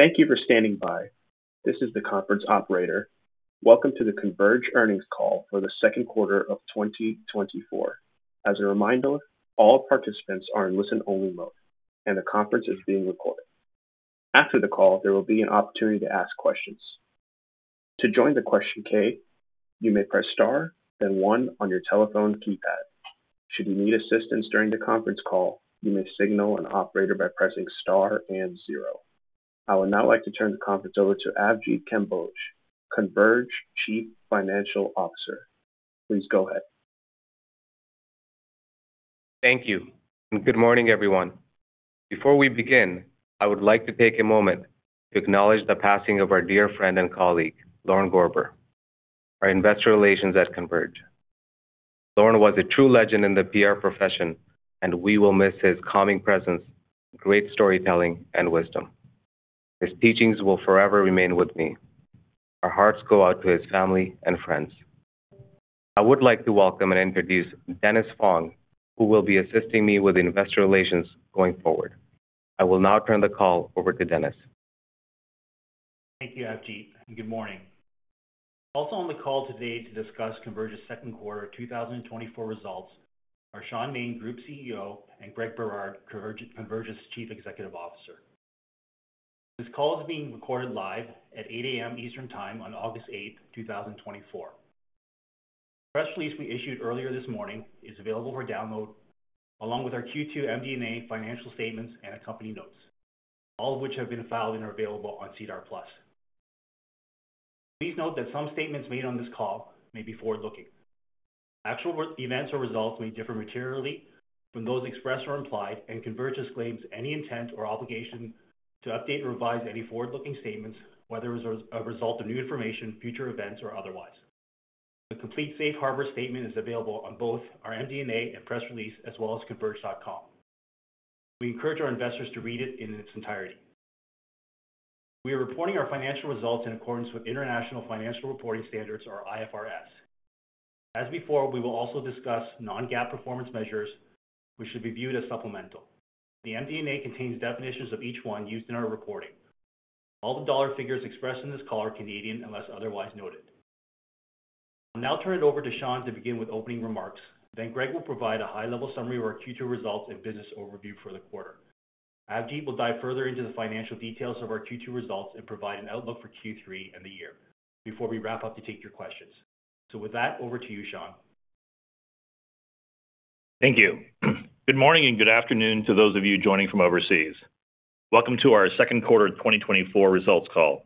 Thank you for standing by. This is the conference operator. Welcome to the Converge Earnings Call for the second quarter of 2024. As a reminder, all participants are in listen-only mode, and the conference is being recorded. After the call, there will be an opportunity to ask questions. To join the question queue, you may press Star, then one on your telephone keypad. Should you need assistance during the conference call, you may signal an operator by pressing Star and Zero. I would now like to turn the conference over to Avjit Kamboj, Converge Chief Financial Officer. Please go ahead. Thank you, and good morning, everyone. Before we begin, I would like to take a moment to acknowledge the passing of our dear friend and colleague, Lorne Gorber, our investor relations at Converge. Lorne was a true legend in the PR profession, and we will miss his calming presence, great storytelling, and wisdom. His teachings will forever remain with me. Our hearts go out to his family and friends. I would like to welcome and introduce Dennis Fong, who will be assisting me with investor relations going forward. I will now turn the call over to Dennis. Thank you, Avjit, and good morning. Also on the call today to discuss Converge's second quarter 2024 results are Shaun Maine, Group CEO, and Greg Berard, Converge's Chief Executive Officer. This call is being recorded live at 8:00 A.M. Eastern Time on August 8, 2024. The press release we issued earlier this morning is available for download, along with our Q2 MD&A financial statements and accompanying notes, all of which have been filed and are available on CDR+. Please note that some statements made on this call may be forward-looking. Actual future events or results may differ materially from those expressed or implied, and Converge disclaims any intent or obligation to update or revise any forward-looking statements, whether as a result of new information, future events, or otherwise. The complete safe harbor statement is available on both our MD&A and press release, as well as converge.com. We encourage our investors to read it in its entirety. We are reporting our financial results in accordance with International Financial Reporting Standards or IFRS. As before, we will also discuss non-GAAP performance measures, which should be viewed as supplemental. The MD&A contains definitions of each one used in our reporting. All the dollar figures expressed in this call are Canadian unless otherwise noted. I'll now turn it over to Shaun to begin with opening remarks. Then Greg will provide a high-level summary of our Q2 results and business overview for the quarter. Avjit will dive further into the financial details of our Q2 results and provide an outlook for Q3 and the year before we wrap up to take your questions. With that, over to you, Shaun. Thank you. Good morning, and good afternoon to those of you joining from overseas. Welcome to our second quarter of 2024 results call.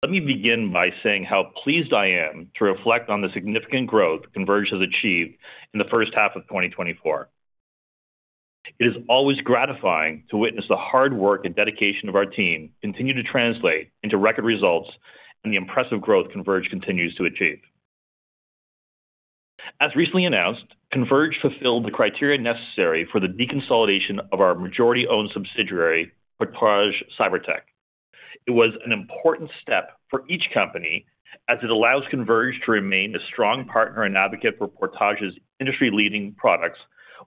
Let me begin by saying how pleased I am to reflect on the significant growth Converge has achieved in the first half of 2024. It is always gratifying to witness the hard work and dedication of our team continue to translate into record results and the impressive growth Converge continues to achieve. As recently announced, Converge fulfilled the criteria necessary for the deconsolidation of our majority-owned subsidiary, Portage CyberTech. It was an important step for each company as it allows Converge to remain a strong partner and advocate for Portage's industry-leading products,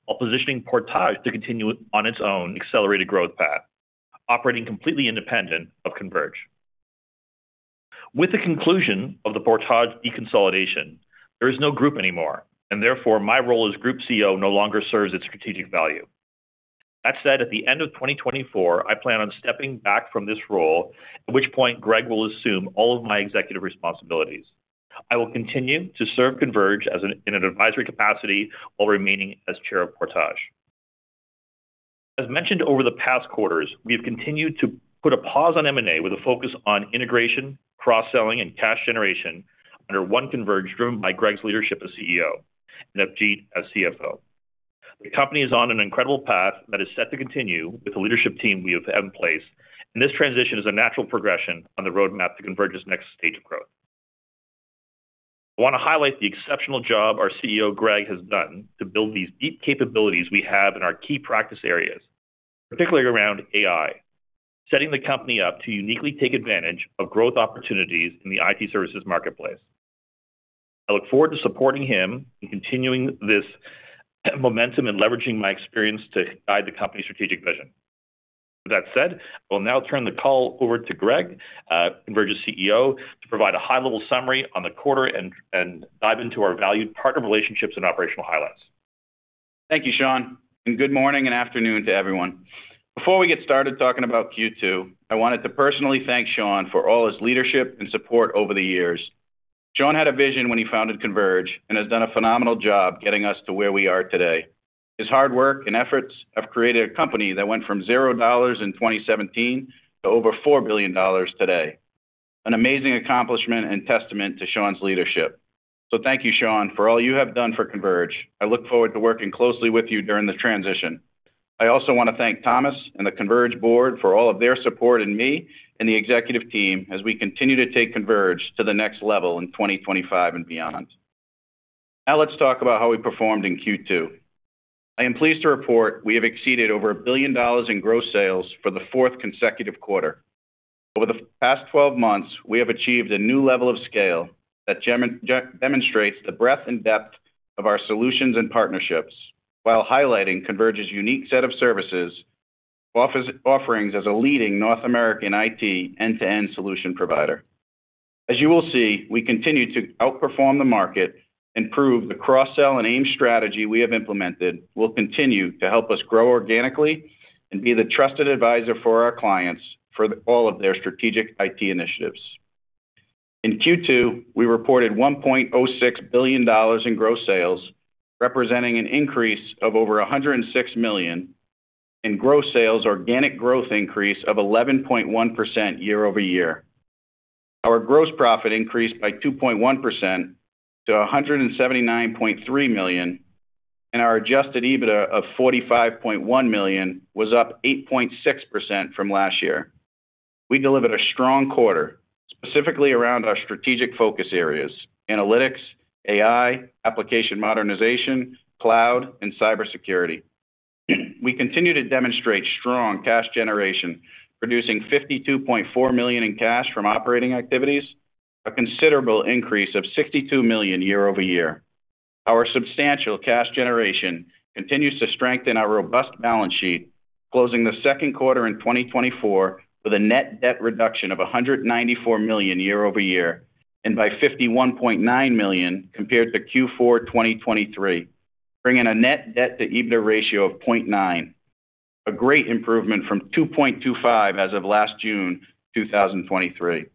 while positioning Portage to continue on its own accelerated growth path, operating completely independent of Converge. With the conclusion of the Portage deconsolidation, there is no group anymore, and therefore, my role as Group CEO no longer serves its strategic value. That said, at the end of 2024, I plan on stepping back from this role, at which point Greg will assume all of my executive responsibilities. I will continue to serve Converge as an advisory capacity while remaining as chair of Portage. As mentioned over the past quarters, we have continued to put a pause on M&A with a focus on integration, cross-selling, and cash generation under one Converge, driven by Greg's leadership as CEO and Avjit as CFO. The company is on an incredible path that is set to continue with the leadership team we have in place, and this transition is a natural progression on the roadmap to Converge's next stage of growth. I want to highlight the exceptional job our CEO, Greg, has done to build these deep capabilities we have in our key practice areas, particularly around AI, setting the company up to uniquely take advantage of growth opportunities in the IT services marketplace. I look forward to supporting him in continuing this momentum and leveraging my experience to guide the company's strategic vision. With that said, I will now turn the call over to Greg, Converge's CEO, to provide a high-level summary on the quarter and dive into our valued partner relationships and operational highlights. Thank you, Shaun, and good morning and afternoon to everyone. Before we get started talking about Q2, I wanted to personally thank Shaun for all his leadership and support over the years. Shaun had a vision when he founded Converge and has done a phenomenal job getting us to where we are today. His hard work and efforts have created a company that went from zero dollars in 2017 to over 4 billion dollars today. An amazing accomplishment and testament to Shaun's leadership. So thank you, Shaun, for all you have done for Converge. I look forward to working closely with you during this transition. I also want to thank Thomas and the Converge board for all of their support in me and the executive team as we continue to take Converge to the next level in 2025 and beyond. Now, let's talk about how we performed in Q2. I am pleased to report we have exceeded over 1 billion dollars in gross sales for the fourth consecutive quarter... Over the past 12 months, we have achieved a new level of scale that demonstrates the breadth and depth of our solutions and partnerships, while highlighting Converge's unique set of services, of offerings as a leading North American IT end-to-end solution provider. As you will see, we continue to outperform the market and prove the cross-sell and AIM strategy we have implemented will continue to help us grow organically and be the trusted advisor for our clients for all of their strategic IT initiatives. In Q2, we reported $1.06 billion in gross sales, representing an increase of over $106 million in gross sales, organic growth increase of 11.1% year-over-year. Our gross profit increased by 2.1% to $179.3 million, and our adjusted EBITDA of $45.1 million was up 8.6% from last year. We delivered a strong quarter, specifically around our strategic focus areas: analytics, AI, application modernization, cloud, and cybersecurity. We continue to demonstrate strong cash generation, producing $52.4 million in cash from operating activities, a considerable increase of $62 million year-over-year. Our substantial cash generation continues to strengthen our robust balance sheet, closing the second quarter in 2024 with a net debt reduction of 194 million year-over-year, and by 51.9 million compared to Q4 2023, bringing a net debt to EBITDA ratio of 0.9, a great improvement from 2.25 as of last June 2023.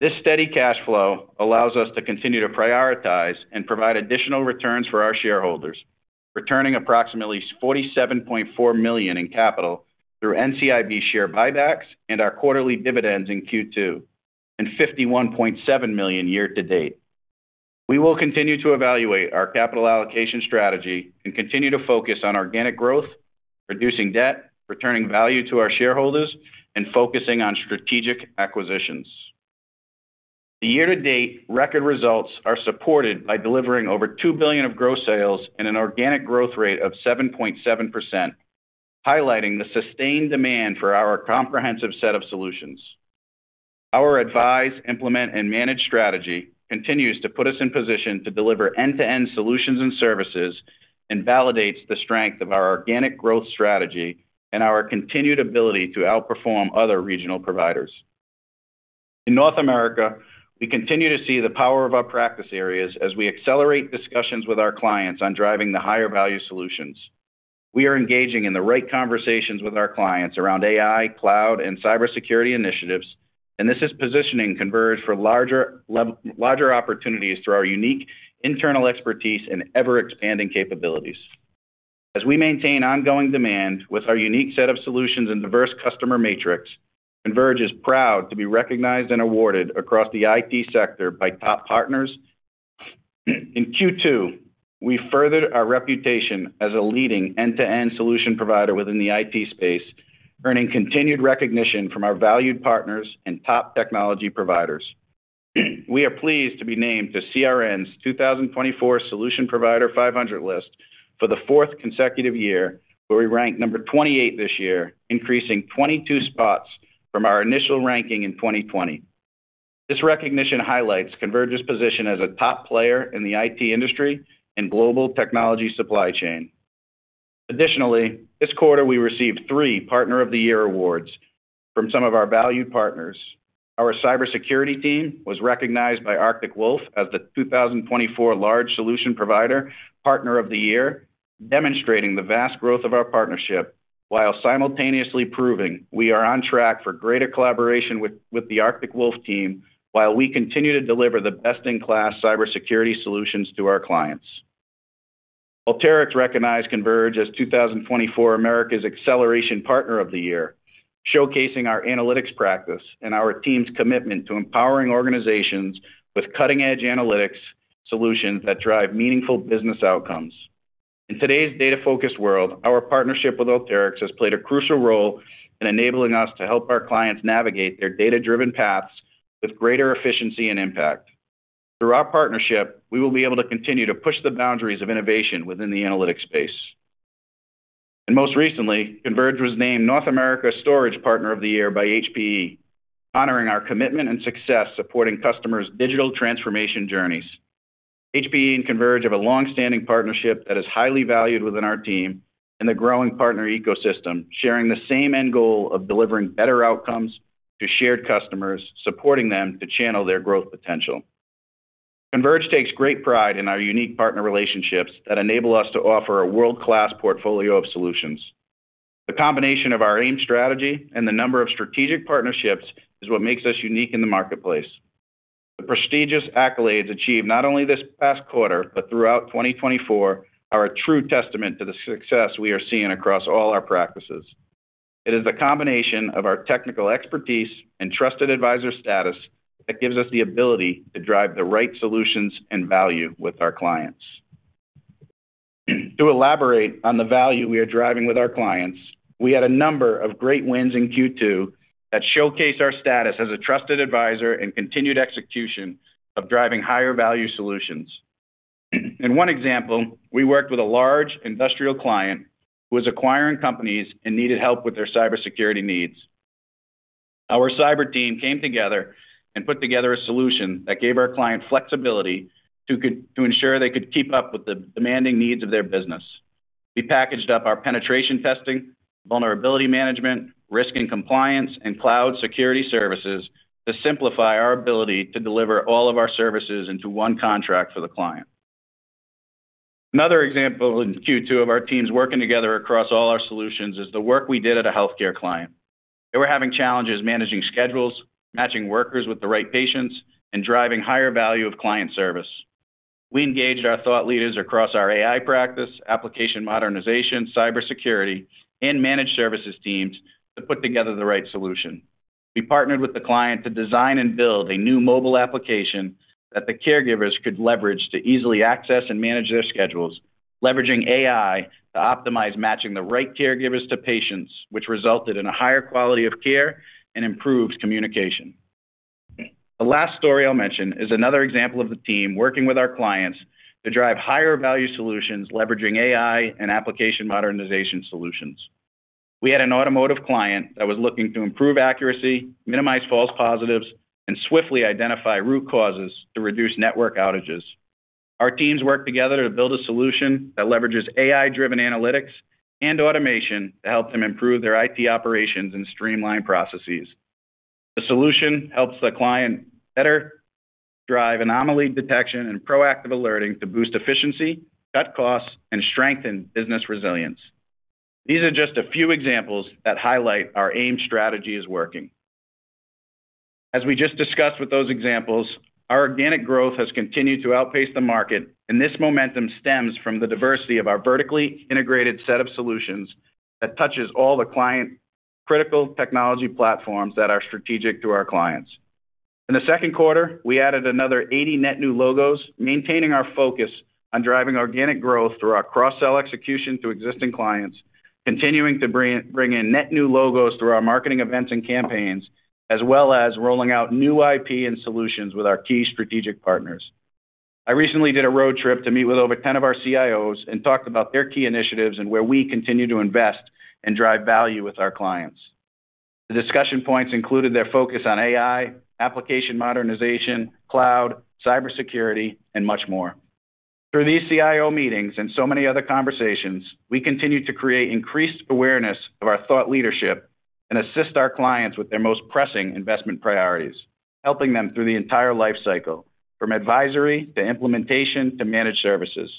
This steady cash flow allows us to continue to prioritize and provide additional returns for our shareholders, returning approximately 47.4 million in capital through NCIB share buybacks and our quarterly dividends in Q2, and 51.7 million year-to-date. We will continue to evaluate our capital allocation strategy and continue to focus on organic growth, reducing debt, returning value to our shareholders, and focusing on strategic acquisitions. The year-to-date record results are supported by delivering over 2 billion of gross sales and an organic growth rate of 7.7%, highlighting the sustained demand for our comprehensive set of solutions. Our advise, implement, and manage strategy continues to put us in position to deliver end-to-end solutions and services, and validates the strength of our organic growth strategy and our continued ability to outperform other regional providers. In North America, we continue to see the power of our practice areas as we accelerate discussions with our clients on driving the higher-value solutions. We are engaging in the right conversations with our clients around AI, cloud, and cybersecurity initiatives, and this is positioning Converge for larger opportunities through our unique internal expertise and ever-expanding capabilities. As we maintain ongoing demand with our unique set of solutions and diverse customer matrix, Converge is proud to be recognized and awarded across the IT sector by top partners. In Q2, we furthered our reputation as a leading end-to-end solution provider within the IT space, earning continued recognition from our valued partners and top technology providers. We are pleased to be named to CRN's 2024 Solution Provider 500 list for the fourth consecutive year, where we ranked number 28 this year, increasing 22 spots from our initial ranking in 2020. This recognition highlights Converge's position as a top player in the IT industry and global technology supply chain. Additionally, this quarter, we received 3 Partner of the Year awards from some of our valued partners. Our cybersecurity team was recognized by Arctic Wolf as the 2024 Large Solution Provider Partner of the Year, demonstrating the vast growth of our partnership, while simultaneously proving we are on track for greater collaboration with the Arctic Wolf team, while we continue to deliver the best-in-class cybersecurity solutions to our clients. Alteryx recognized Converge as 2024 America's Acceleration Partner of the Year, showcasing our analytics practice and our team's commitment to empowering organizations with cutting-edge analytics solutions that drive meaningful business outcomes. In today's data-focused world, our partnership with Alteryx has played a crucial role in enabling us to help our clients navigate their data-driven paths with greater efficiency and impact. Through our partnership, we will be able to continue to push the boundaries of innovation within the analytics space. Most recently, Converge was named North America Storage Partner of the Year by HPE, honoring our commitment and success supporting customers' digital transformation journeys. HPE and Converge have a long-standing partnership that is highly valued within our team and a growing partner ecosystem, sharing the same end goal of delivering better outcomes to shared customers, supporting them to channel their growth potential. Converge takes great pride in our unique partner relationships that enable us to offer a world-class portfolio of solutions. The combination of our AIM strategy and the number of strategic partnerships is what makes us unique in the marketplace. The prestigious accolades achieved not only this past quarter, but throughout 2024, are a true testament to the success we are seeing across all our practices. It is a combination of our technical expertise and trusted advisor status that gives us the ability to drive the right solutions and value with our clients. To elaborate on the value we are driving with our clients, we had a number of great wins in Q2 that showcase our status as a trusted advisor and continued execution of driving higher-value solutions. In one example, we worked with a large industrial client who was acquiring companies and needed help with their cybersecurity needs. Our cyber team came together and put together a solution that gave our client flexibility to ensure they could keep up with the demanding needs of their business. We packaged up our penetration testing, vulnerability management, risk and compliance, and cloud security services to simplify our ability to deliver all of our services into one contract for the client. Another example in Q2 of our teams working together across all our solutions is the work we did at a healthcare client. They were having challenges managing schedules, matching workers with the right patients, and driving higher value of client service. We engaged our thought leaders across our AI practice, application modernization, cybersecurity, and managed services teams to put together the right solution. We partnered with the client to design and build a new mobile application that the caregivers could leverage to easily access and manage their schedules, leveraging AI to optimize matching the right caregivers to patients, which resulted in a higher quality of care and improved communication. The last story I'll mention is another example of the team working with our clients to drive higher value solutions, leveraging AI and application modernization solutions. We had an automotive client that was looking to improve accuracy, minimize false positives, and swiftly identify root causes to reduce network outages. Our teams worked together to build a solution that leverages AI-driven analytics and automation to help them improve their IT operations and streamline processes. The solution helps the client better drive anomaly detection and proactive alerting to boost efficiency, cut costs, and strengthen business resilience. These are just a few examples that highlight our AIM strategy is working. As we just discussed with those examples, our organic growth has continued to outpace the market, and this momentum stems from the diversity of our vertically integrated set of solutions that touches all the client critical technology platforms that are strategic to our clients. In the second quarter, we added another 80 net new logos, maintaining our focus on driving organic growth through our cross-sell execution to existing clients, continuing to bring in net new logos through our marketing events and campaigns, as well as rolling out new IP and solutions with our key strategic partners. I recently did a road trip to meet with over 10 of our CIOs and talked about their key initiatives and where we continue to invest and drive value with our clients. The discussion points included their focus on AI, application modernization, cloud, cybersecurity, and much more. Through these CIO meetings and so many other conversations, we continue to create increased awareness of our thought leadership and assist our clients with their most pressing investment priorities, helping them through the entire life cycle, from advisory, to implementation, to managed services.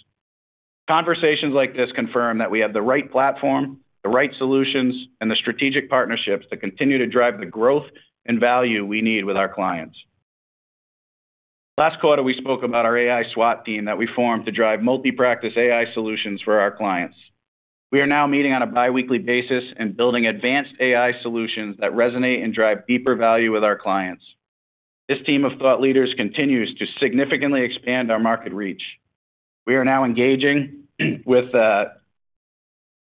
Conversations like this confirm that we have the right platform, the right solutions, and the strategic partnerships that continue to drive the growth and value we need with our clients. Last quarter, we spoke about our AI SWAT team that we formed to drive multi-practice AI solutions for our clients. We are now meeting on a biweekly basis and building advanced AI solutions that resonate and drive deeper value with our clients. This team of thought leaders continues to significantly expand our market reach. We are now engaging with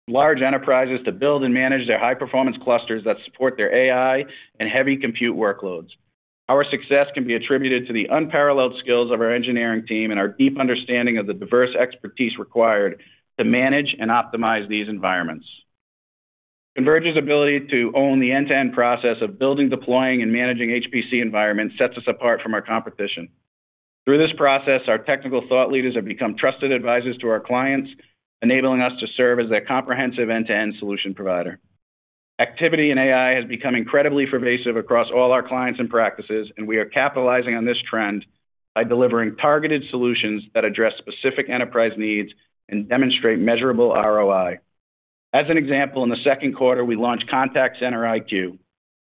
large enterprises to build and manage their high-performance clusters that support their AI and heavy compute workloads. Our success can be attributed to the unparalleled skills of our engineering team and our deep understanding of the diverse expertise required to manage and optimize these environments. Converge's ability to own the end-to-end process of building, deploying, and managing HPC environment sets us apart from our competition. Through this process, our technical thought leaders have become trusted advisors to our clients, enabling us to serve as a comprehensive end-to-end solution provider. Activity in AI has become incredibly pervasive across all our clients and practices, and we are capitalizing on this trend by delivering targeted solutions that address specific enterprise needs and demonstrate measurable ROI. As an example, in the second quarter, we launched Contact Center IQ,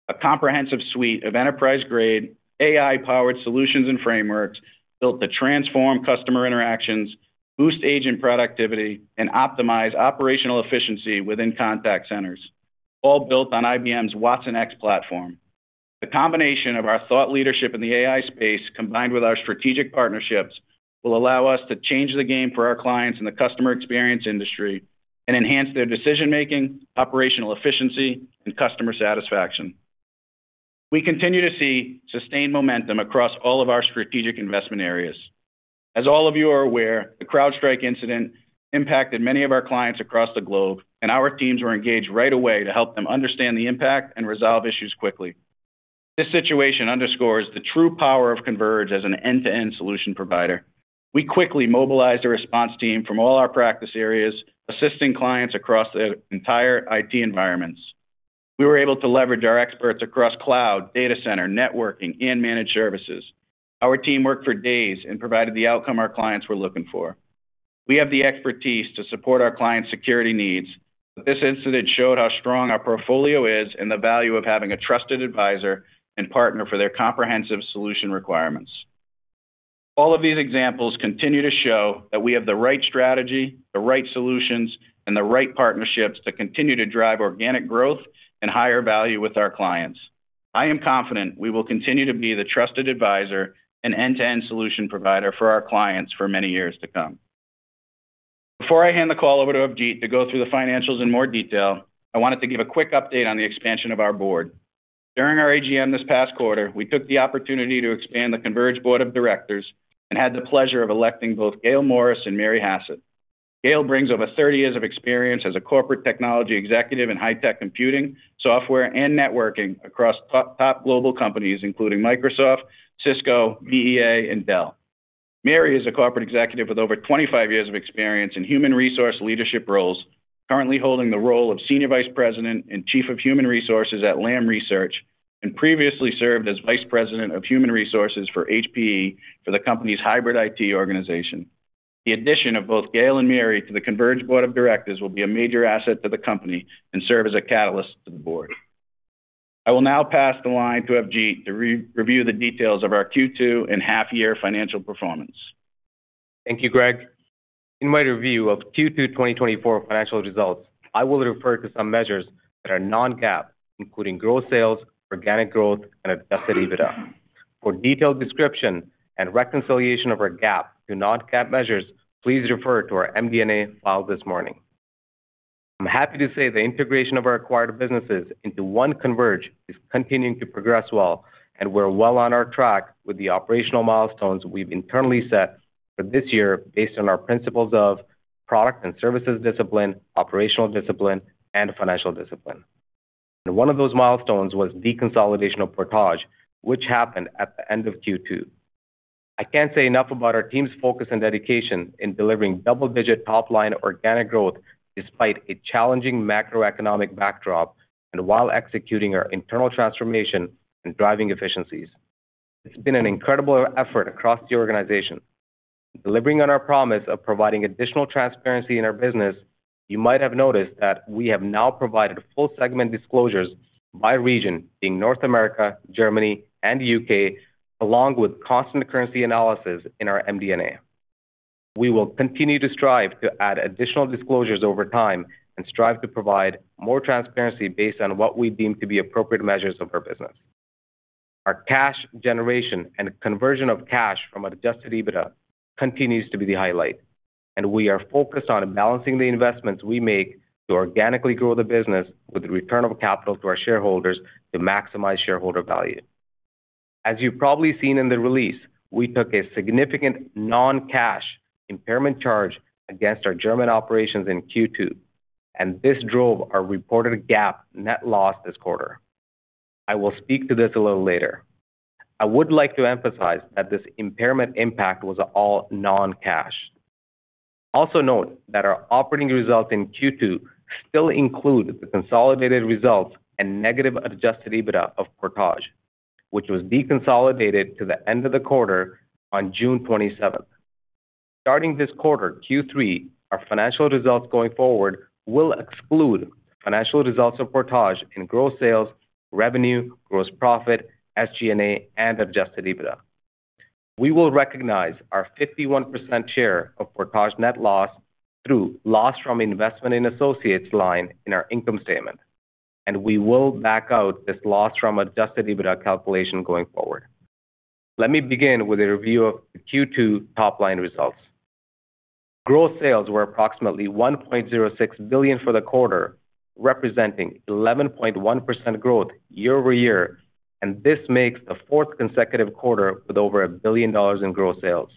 a comprehensive suite of enterprise-grade AI-powered solutions and frameworks built to transform customer interactions, boost agent productivity, and optimize operational efficiency within contact centers, all built on IBM's Watson X platform. The combination of our thought leadership in the AI space, combined with our strategic partnerships, will allow us to change the game for our clients in the customer experience industry and enhance their decision-making, operational efficiency, and customer satisfaction. We continue to see sustained momentum across all of our strategic investment areas. As all of you are aware, the CrowdStrike incident impacted many of our clients across the globe, and our teams were engaged right away to help them understand the impact and resolve issues quickly. This situation underscores the true power of Converge as an end-to-end solution provider. We quickly mobilized a response team from all our practice areas, assisting clients across their entire IT environments. We were able to leverage our experts across cloud, data center, networking, and managed services. Our team worked for days and provided the outcome our clients were looking for. We have the expertise to support our clients' security needs, but this incident showed how strong our portfolio is and the value of having a trusted advisor and partner for their comprehensive solution requirements. All of these examples continue to show that we have the right strategy, the right solutions, and the right partnerships to continue to drive organic growth and higher value with our clients. I am confident we will continue to be the trusted advisor and end-to-end solution provider for our clients for many years to come.... Before I hand the call over to Avjit to go through the financials in more detail, I wanted to give a quick update on the expansion of our board. During our AGM this past quarter, we took the opportunity to expand the Converge board of directors and had the pleasure of electing both Gail Morris and Mary Hassett. Gail brings over 30 years of experience as a corporate technology executive in high-tech computing, software, and networking across top global companies, including Microsoft, Cisco, VEA, and Dell. Mary is a corporate executive with over 25 years of experience in human resource leadership roles, currently holding the role of Senior Vice President and Chief of Human Resources at Lam Research, and previously served as Vice President of Human Resources for HPE for the company's hybrid IT organization. The addition of both Gail and Mary to the Converge board of directors will be a major asset to the company and serve as a catalyst to the board. I will now pass the line to Avjitpal to review the details of our Q2 and half-year financial performance. Thank you, Greg. In my review of Q2 2024 financial results, I will refer to some measures that are non-GAAP, including gross sales, organic growth, and adjusted EBITDA. For detailed description and reconciliation of our GAAP to non-GAAP measures, please refer to our MD&A file this morning. I'm happy to say the integration of our acquired businesses into one Converge is continuing to progress well, and we're well on track with the operational milestones we've internally set for this year based on our principles of product and services discipline, operational discipline, and financial discipline. One of those milestones was deconsolidation of Portage, which happened at the end of Q2. I can't say enough about our team's focus and dedication in delivering double-digit top-line organic growth despite a challenging macroeconomic backdrop and while executing our internal transformation and driving efficiencies. It's been an incredible effort across the organization. Delivering on our promise of providing additional transparency in our business, you might have noticed that we have now provided full segment disclosures by region, in North America, Germany, and the UK, along with constant currency analysis in our MD&A. We will continue to strive to add additional disclosures over time and strive to provide more transparency based on what we deem to be appropriate measures of our business. Our cash generation and conversion of cash from adjusted EBITDA continues to be the highlight, and we are focused on balancing the investments we make to organically grow the business with the return of capital to our shareholders to maximize shareholder value. As you've probably seen in the release, we took a significant non-cash impairment charge against our German operations in Q2, and this drove our reported GAAP net loss this quarter. I will speak to this a little later. I would like to emphasize that this impairment impact was all non-cash. Also note that our operating results in Q2 still include the consolidated results and negative Adjusted EBITDA of Portage, which was deconsolidated to the end of the quarter on June twenty-seventh. Starting this quarter, Q3, our financial results going forward will exclude financial results of Portage in gross sales, revenue, gross profit, SG&A, and Adjusted EBITDA. We will recognize our 51% share of Portage net loss through loss from investment in associates line in our income statement, and we will back out this loss from Adjusted EBITDA calculation going forward. Let me begin with a review of the Q2 top-line results. Gross sales were approximately 1.06 billion for the quarter, representing 11.1% growth year-over-year, and this makes the fourth consecutive quarter with over 1 billion dollars in gross sales.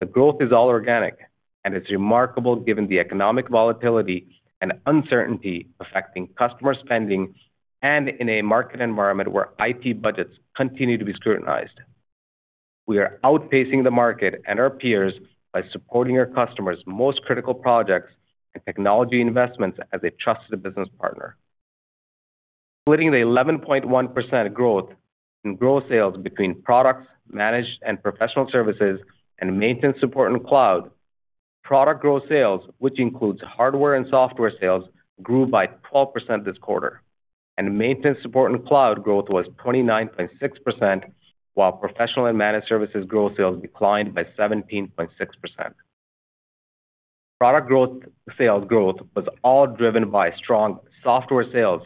The growth is all organic, and it's remarkable given the economic volatility and uncertainty affecting customer spending and in a market environment where IT budgets continue to be scrutinized. We are outpacing the market and our peers by supporting our customers' most critical projects and technology investments as a trusted business partner. Including the 11.1% growth in gross sales between products, managed, and professional services and maintenance, support, and cloud, product gross sales, which includes hardware and software sales, grew by 12% this quarter, and maintenance, support, and cloud growth was 29.6%, while professional and managed services growth sales declined by 17.6%. Product growth, sales growth was all driven by strong software sales,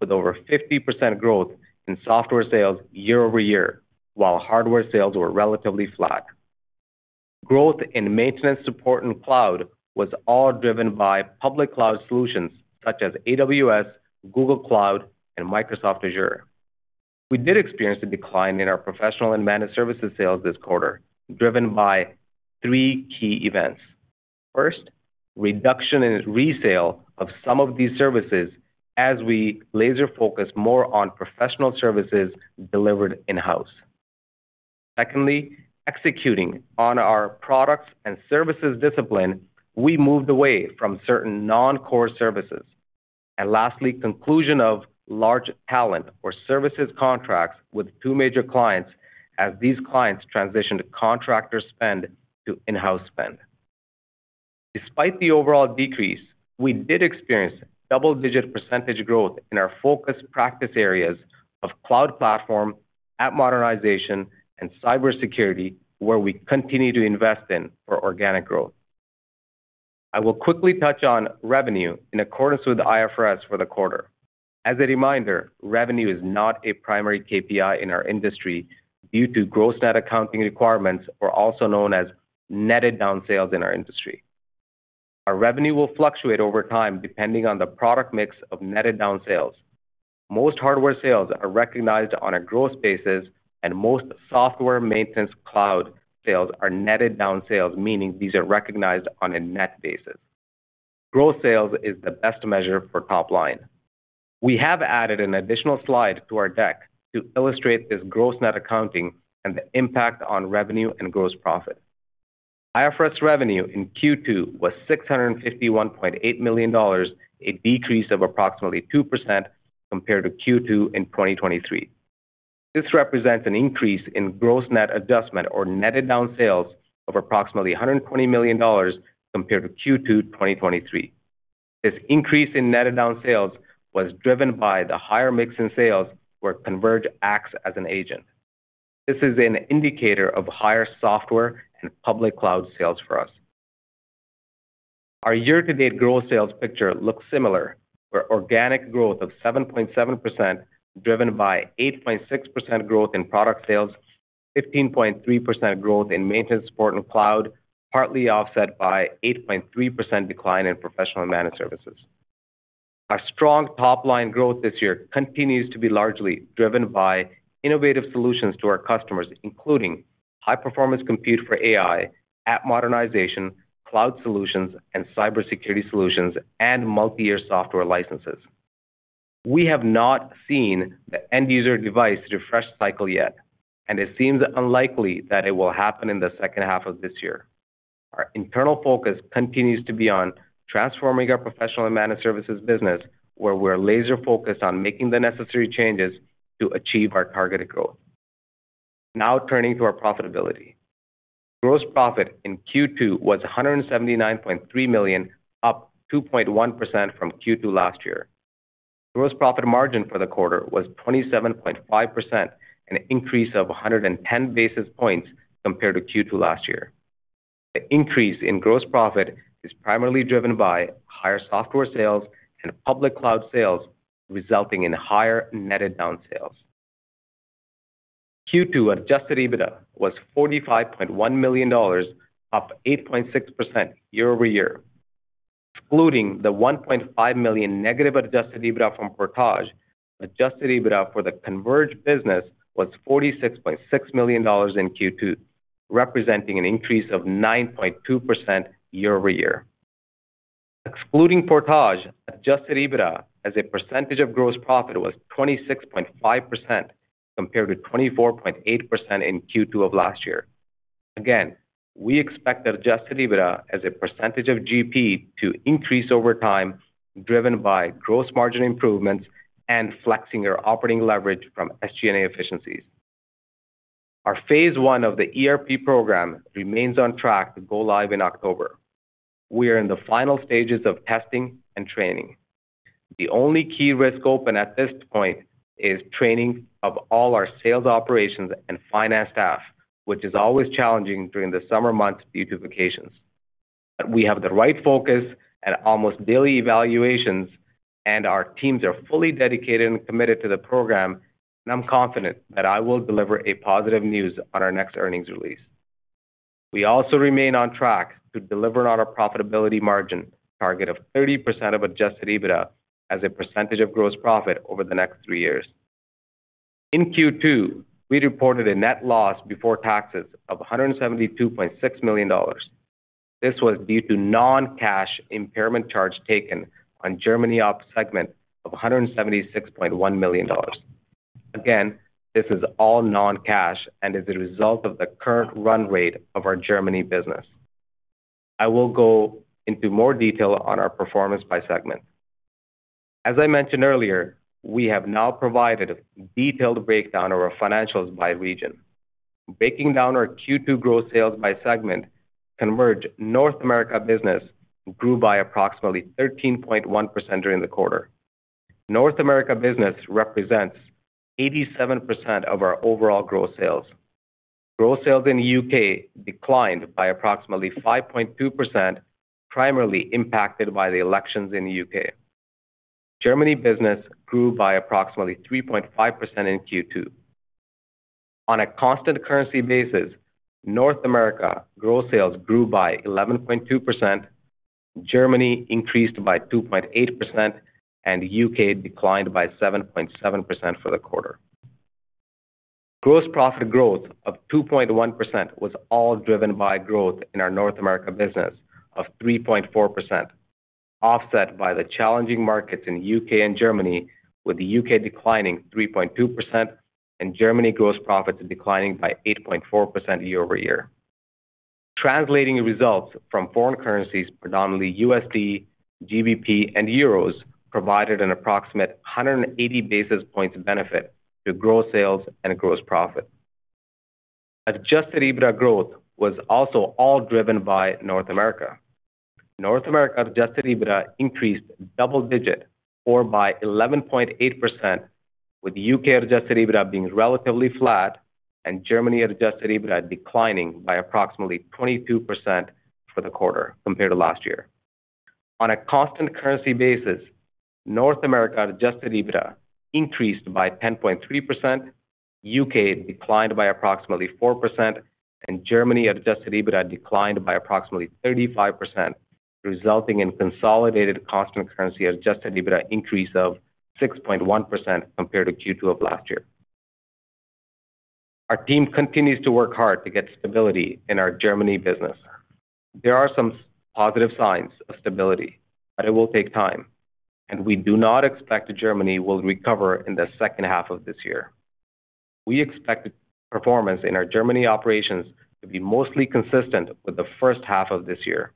with over 50% growth in software sales year-over-year, while hardware sales were relatively flat. Growth in maintenance, support, and cloud was all driven by public cloud solutions such as AWS, Google Cloud, and Microsoft Azure. We did experience a decline in our professional and managed services sales this quarter, driven by three key events. First, reduction in resale of some of these services as we laser-focus more on professional services delivered in-house. Secondly, executing on our products and services discipline, we moved away from certain non-core services. And lastly, conclusion of large talent or services contracts with two major clients, as these clients transitioned contractor spend to in-house spend. Despite the overall decrease, we did experience double-digit % growth in our focused practice areas of cloud platform, app modernization, and cybersecurity, where we continue to invest in for organic growth. I will quickly touch on revenue in accordance with the IFRS for the quarter. As a reminder, revenue is not a primary KPI in our industry due to gross net accounting requirements, or also known as netted down sales in our industry. Our revenue will fluctuate over time depending on the product mix of netted down sales. Most hardware sales are recognized on a gross basis, and most software maintenance cloud sales are netted down sales, meaning these are recognized on a net basis. Gross sales is the best measure for top line. We have added an additional slide to our deck to illustrate this gross net accounting and the impact on revenue and gross profit. IFRS revenue in Q2 was 651.8 million dollars, a decrease of approximately 2% compared to Q2 in 2023. This represents an increase in gross net adjustment or netted down sales of approximately 120 million dollars compared to Q2 2023. This increase in netted down sales was driven by the higher mix in sales, where Converge acts as an agent. This is an indicator of higher software and public cloud sales for us. Our year-to-date growth sales picture looks similar, where organic growth of 7.7%, driven by 8.6% growth in product sales, 15.3% growth in maintenance, support, and cloud, partly offset by 8.3% decline in professional and managed services. Our strong top-line growth this year continues to be largely driven by innovative solutions to our customers, including high-performance compute for AI, app modernization, cloud solutions, and cybersecurity solutions, and multi-year software licenses. We have not seen the end-user device refresh cycle yet, and it seems unlikely that it will happen in the second half of this year. Our internal focus continues to be on transforming our professional and managed services business, where we're laser-focused on making the necessary changes to achieve our targeted growth. Now, turning to our profitability. Gross profit in Q2 was 179.3 million, up 2.1% from Q2 last year. Gross profit margin for the quarter was 27.5%, an increase of 110 basis points compared to Q2 last year. The increase in gross profit is primarily driven by higher software sales and public cloud sales, resulting in higher netted down sales. Q2 adjusted EBITDA was 45.1 million dollars, up 8.6% year-over-year. Excluding the -1.5 million adjusted EBITDA from Portage, adjusted EBITDA for the Converge business was 46.6 million dollars in Q2, representing an increase of 9.2% year-over-year. Excluding Portage, adjusted EBITDA as a percentage of gross profit was 26.5%, compared to 24.8% in Q2 of last year. Again, we expect adjusted EBITDA as a percentage of GP to increase over time, driven by gross margin improvements and flexing our operating leverage from SG&A efficiencies. Our phase 1 of the ERP program remains on track to go live in October. We are in the final stages of testing and training. The only key risk open at this point is training of all our sales, operations, and finance staff, which is always challenging during the summer months due to vacations. But we have the right focus and almost daily evaluations, and our teams are fully dedicated and committed to the program, and I'm confident that I will deliver positive news on our next earnings release. We also remain on track to deliver on our profitability margin target of 30% of Adjusted EBITDA as a percentage of gross profit over the next three years. In Q2, we reported a net loss before taxes of 172.6 million dollars. This was due to non-cash impairment charge taken on Germany Ops segment of 176.1 million dollars. Again, this is all non-cash and is a result of the current run rate of our Germany business. I will go into more detail on our performance by segment. As I mentioned earlier, we have now provided a detailed breakdown of our financials by region. Breaking down our Q2 growth sales by segment, Converge North America business grew by approximately 13.1% during the quarter. North America business represents 87% of our overall growth sales. Growth sales in U.K. declined by approximately 5.2%, primarily impacted by the elections in the U.K. Germany business grew by approximately 3.5% in Q2. On a constant currency basis, North America growth sales grew by 11.2%, Germany increased by 2.8%, and U.K. declined by 7.7% for the quarter. Gross profit growth of 2.1% was all driven by growth in our North America business of 3.4%, offset by the challenging markets in U.K. and Germany, with the U.K. declining 3.2% and Germany gross profits declining by 8.4% year over year. Translating results from foreign currencies, predominantly USD, GBP, and euros, provided an approximate 180 basis points benefit to gross sales and gross profit. Adjusted EBITDA growth was also all driven by North America. North America adjusted EBITDA increased double-digit or by 11.8%. With UK adjusted EBITDA being relatively flat and Germany adjusted EBITDA declining by approximately 22% for the quarter compared to last year. On a constant currency basis, North America adjusted EBITDA increased by 10.3%, UK declined by approximately 4%, and Germany adjusted EBITDA declined by approximately 35%, resulting in consolidated constant currency adjusted EBITDA increase of 6.1% compared to Q2 of last year. Our team continues to work hard to get stability in our Germany business. There are some positive signs of stability, but it will take time, and we do not expect that Germany will recover in the second half of this year. We expect performance in our Germany operations to be mostly consistent with the first half of this year.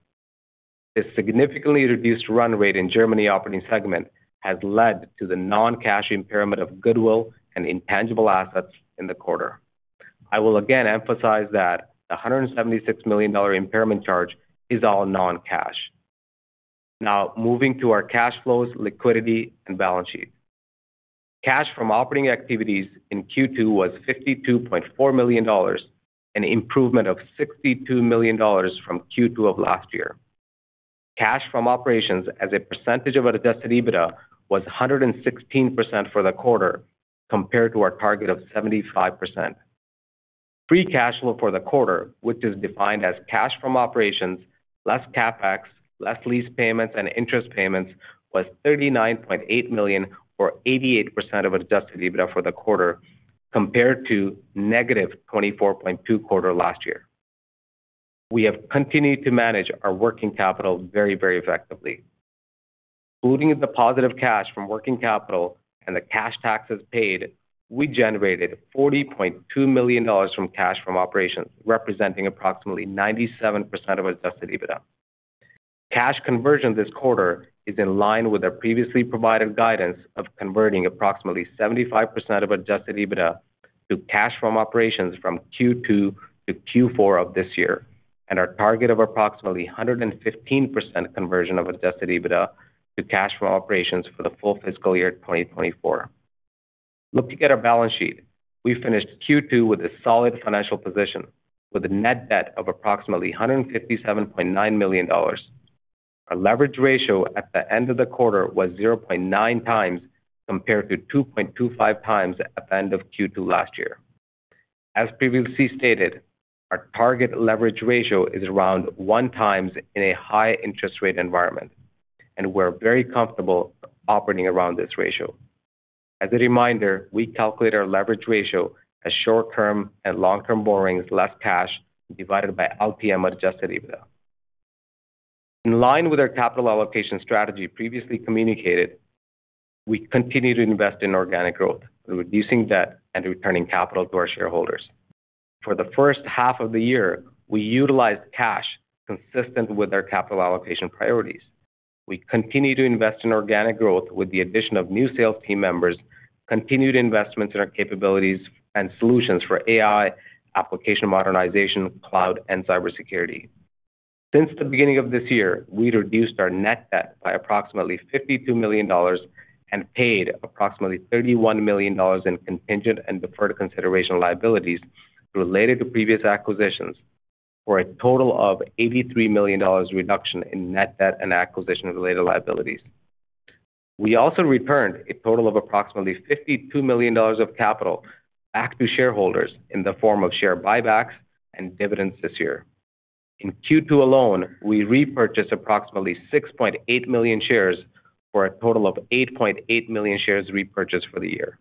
This significantly reduced run rate in Germany operating segment has led to the non-cash impairment of goodwill and intangible assets in the quarter. I will again emphasize that the $176 million impairment charge is all non-cash. Now, moving to our cash flows, liquidity, and balance sheet. Cash from operating activities in Q2 was $52.4 million, an improvement of $62 million from Q2 of last year. Cash from operations as a percentage of Adjusted EBITDA was 116% for the quarter, compared to our target of 75%. Free cash flow for the quarter, which is defined as cash from operations, less CapEx, less lease payments and interest payments, was 39.8 million or 88% of adjusted EBITDA for the quarter, compared to negative 24.2 million quarter last year. We have continued to manage our working capital very, very effectively. Including the positive cash from working capital and the cash taxes paid, we generated 40.2 million dollars from cash from operations, representing approximately 97% of adjusted EBITDA. Cash conversion this quarter is in line with our previously provided guidance of converting approximately 75% of adjusted EBITDA to cash from operations from Q2 to Q4 of this year, and our target of approximately 115% conversion of adjusted EBITDA to cash from operations for the full fiscal year 2024. Looking at our balance sheet, we finished Q2 with a solid financial position, with a net debt of approximately 157.9 million dollars. Our leverage ratio at the end of the quarter was 0.9x, compared to 2.25x at the end of Q2 last year. As previously stated, our target leverage ratio is around 1x in a high interest rate environment, and we're very comfortable operating around this ratio. As a reminder, we calculate our leverage ratio as short-term and long-term borrowings, less cash, divided by LPM Adjusted EBITDA. In line with our capital allocation strategy previously communicated, we continue to invest in organic growth, reducing debt and returning capital to our shareholders. For the first half of the year, we utilized cash consistent with our capital allocation priorities. We continue to invest in organic growth with the addition of new sales team members, continued investments in our capabilities and solutions for AI, application modernization, cloud, and cybersecurity. Since the beginning of this year, we reduced our net debt by approximately 52 million dollars and paid approximately 31 million dollars in contingent and deferred consideration liabilities related to previous acquisitions, for a total of 83 million dollars reduction in net debt and acquisition-related liabilities. We also returned a total of approximately 52 million dollars of capital back to shareholders in the form of share buybacks and dividends this year. In Q2 alone, we repurchased approximately 6.8 million shares for a total of 8.8 million shares repurchased for the year.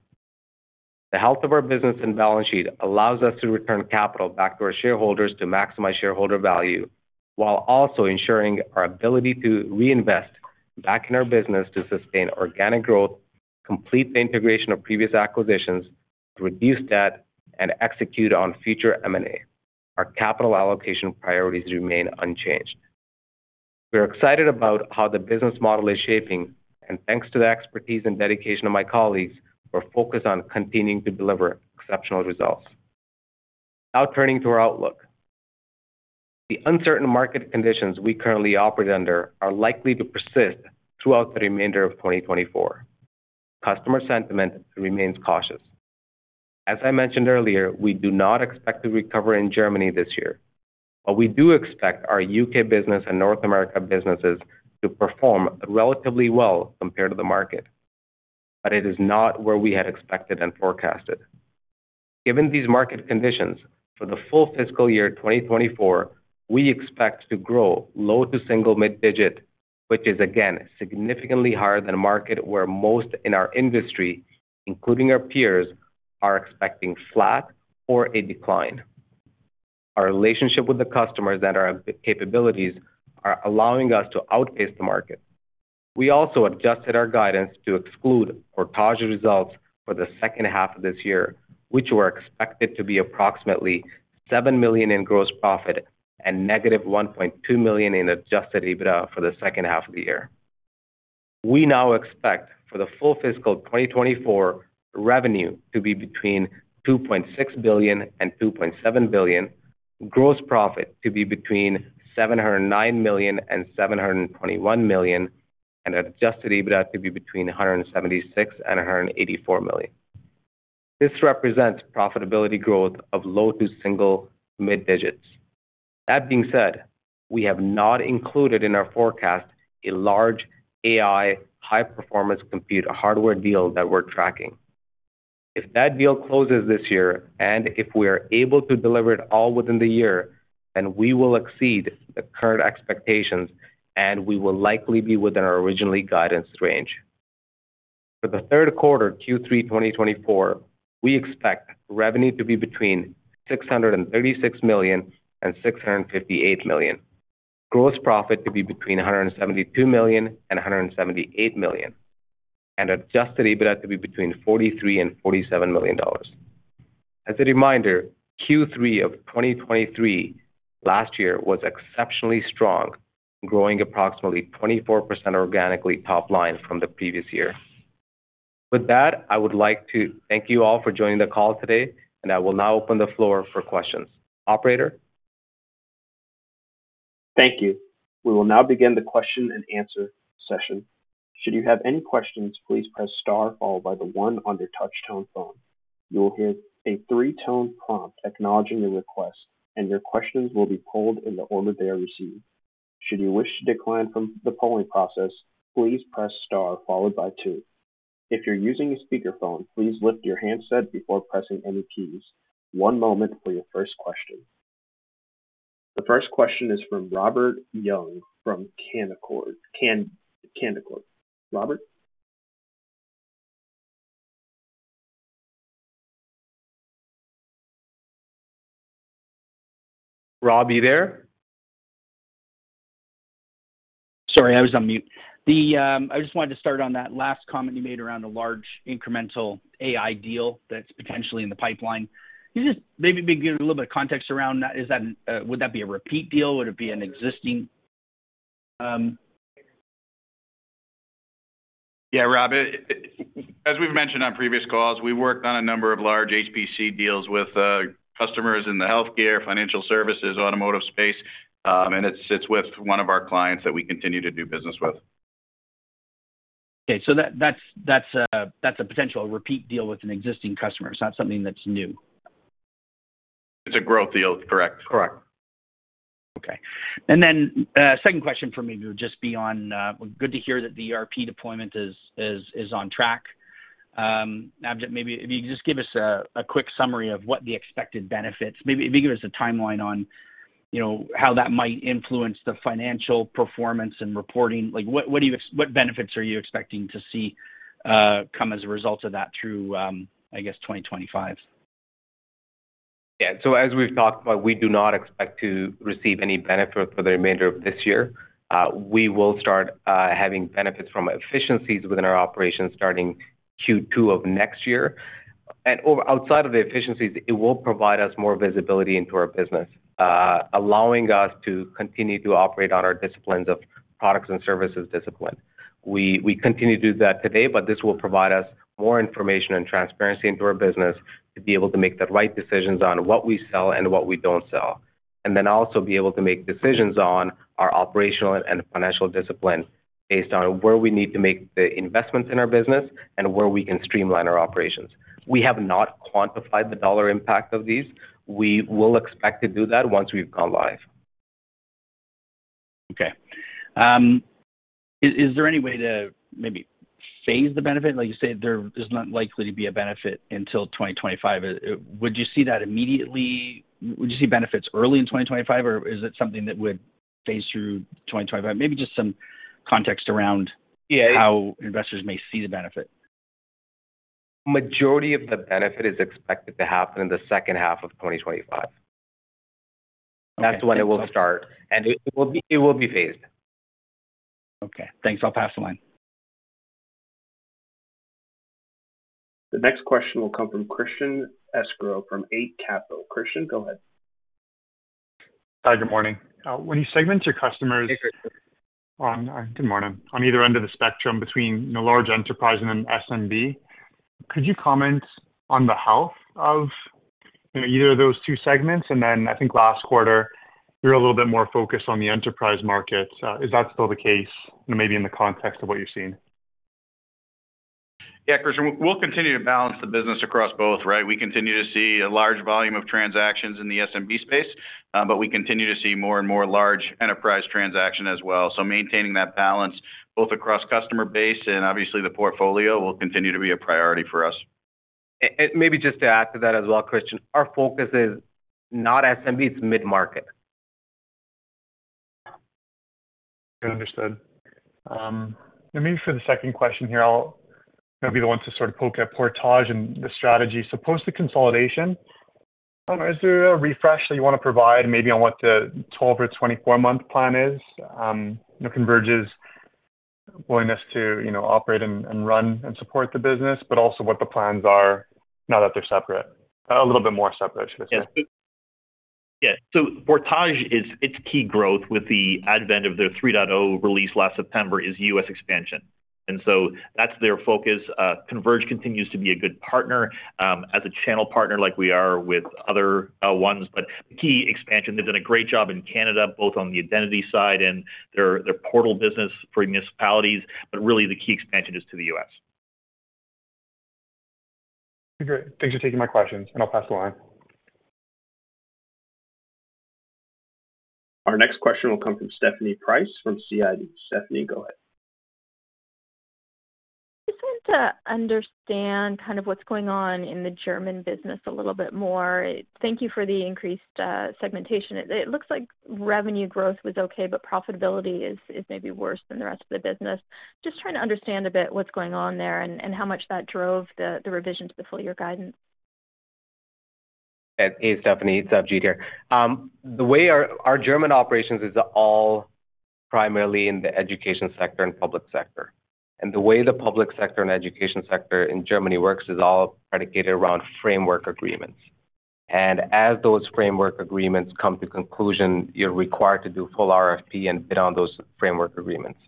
The health of our business and balance sheet allows us to return capital back to our shareholders to maximize shareholder value, while also ensuring our ability to reinvest back in our business to sustain organic growth, complete the integration of previous acquisitions, reduce debt, and execute on future M&A. Our capital allocation priorities remain unchanged. We are excited about how the business model is shaping, and thanks to the expertise and dedication of my colleagues, we're focused on continuing to deliver exceptional results. Now turning to our outlook. The uncertain market conditions we currently operate under are likely to persist throughout the remainder of 2024. Customer sentiment remains cautious. As I mentioned earlier, we do not expect to recover in Germany this year, but we do expect our UK business and North America businesses to perform relatively well compared to the market. But it is not where we had expected and forecasted. Given these market conditions, for the full fiscal year 2024, we expect to grow low- to single-mid-digit, which is again, significantly higher than a market where most in our industry, including our peers, are expecting flat or a decline. Our relationship with the customers and our capabilities are allowing us to outpace the market. We also adjusted our guidance to exclude Portage results for the second half of this year, which were expected to be approximately 7 million in gross profit and negative 1.2 million in Adjusted EBITDA for the second half of the year. We now expect for the full fiscal 2024 revenue to be between 2.6 billion and 2.7 billion-... Gross profit to be between $709 million and $721 million, and Adjusted EBITDA to be between $176 million and $184 million. This represents profitability growth of low to single mid digits. That being said, we have not included in our forecast a large AI high-performance compute, a hardware deal that we're tracking. If that deal closes this year, and if we are able to deliver it all within the year, then we will exceed the current expectations, and we will likely be within our original guidance range. For the third quarter, Q3 2024, we expect revenue to be between $636 million and $658 million. Gross profit to be between $172 million and $178 million, and Adjusted EBITDA to be between $43 million and $47 million. As a reminder, Q3 of 2023, last year, was exceptionally strong, growing approximately 24% organically top line from the previous year. With that, I would like to thank you all for joining the call today, and I will now open the floor for questions. Operator? Thank you. We will now begin the question-and-answer session. Should you have any questions, please press star followed by the one on your touchtone phone. You will hear a three-tone prompt acknowledging the request, and your questions will be polled in the order they are received. Should you wish to decline from the polling process, please press star followed by two. If you're using a speakerphone, please lift your handset before pressing any keys. One moment for your first question. The first question is from Robert Young, from Canaccord. Robert? Rob, you there? Sorry, I was on mute. I just wanted to start on that last comment you made around a large incremental AI deal that's potentially in the pipeline. Can you just maybe give a little bit of context around that? Is that -- would that be a repeat deal? Would it be an existing? Yeah, Rob, as we've mentioned on previous calls, we worked on a number of large HPC deals with customers in the healthcare, financial services, automotive space, and it sits with one of our clients that we continue to do business with. Okay. So that's a potential repeat deal with an existing customer. It's not something that's new. It's a growth deal, correct. Correct. Okay. And then, second question for me would just be on, good to hear that the ERP deployment is on track. Maybe if you could just give us a quick summary of what the expected benefits... Maybe give us a timeline on, you know, how that might influence the financial performance and reporting. Like, what benefits are you expecting to see come as a result of that through, I guess, 2025? Yeah. So as we've talked about, we do not expect to receive any benefit for the remainder of this year. We will start having benefits from efficiencies within our operations starting Q2 of next year. And outside of the efficiencies, it will provide us more visibility into our business, allowing us to continue to operate on our disciplines of products and services discipline. We continue to do that today, but this will provide us more information and transparency into our business to be able to make the right decisions on what we sell and what we don't sell. And then also be able to make decisions on our operational and financial discipline based on where we need to make the investments in our business and where we can streamline our operations. We have not quantified the dollar impact of these. We will expect to do that once we've gone live. Okay. Is there any way to maybe phase the benefit? Like you said, there is not likely to be a benefit until 2025. Would you see that immediately? Would you see benefits early in 2025, or is it something that would phase through 2025? Maybe just some context around- Yeah how investors may see the benefit. Majority of the benefit is expected to happen in the second half of 2025. Okay. That's when it will start, and it will be, it will be phased. Okay, thanks. I'll pass the line. The next question will come from Christian Sgro from Eight Capital. Christian, go ahead. Hi, good morning. When you segment your customers- Hey, Christian. Good morning. On either end of the spectrum between the large enterprise and then SMB, could you comment on the health of, you know, either of those two segments? And then I think last quarter, you were a little bit more focused on the enterprise markets. Is that still the case, maybe in the context of what you're seeing? Yeah, Christian, we'll continue to balance the business across both, right? We continue to see a large volume of transactions in the SMB space, but we continue to see more and more large enterprise transaction as well. So maintaining that balance, both across customer base and obviously the portfolio, will continue to be a priority for us. And maybe just to add to that as well, Christian, our focus is not SMB, it's mid-market. Understood. And maybe for the second question here, I'll maybe be the one to sort of poke at Portage and the strategy. So post the consolidation, is there a refresh that you want to provide maybe on what the 12- or 24-month plan is? You know, Converge's willingness to, you know, operate and run and support the business, but also what the plans are now that they're separate. A little bit more separate, I should say. Yeah. So Portage is, its key growth with the advent of the 3.0 release last September, is US expansion. ... And so that's their focus. Converge continues to be a good partner, as a channel partner like we are with other ones. But the key expansion, they've done a great job in Canada, both on the identity side and their, their portal business for municipalities, but really the key expansion is to the U.S. Great. Thanks for taking my questions, and I'll pass the line. Our next question will come from Stephanie Price from CIBC. Stephanie, go ahead. Just want to understand kind of what's going on in the German business a little bit more. Thank you for the increased segmentation. It looks like revenue growth was okay, but profitability is maybe worse than the rest of the business. Just trying to understand a bit what's going on there and how much that drove the revision to the full year guidance. Hey, Stephanie, it's Ajit here. The way our German operations is all primarily in the education sector and public sector, and the way the public sector and education sector in Germany works is all predicated around framework agreements. And as those framework agreements come to conclusion, you're required to do full RFP and bid on those framework agreements.